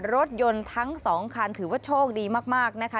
รถยนต์ทั้งสองคันถือว่าโชคดีมากนะคะ